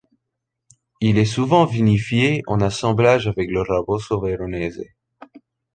Il est souvent vinifié en assemblage avec le raboso veronese.